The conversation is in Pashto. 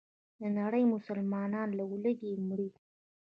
دنړۍ مسلمانان له ولږې مري.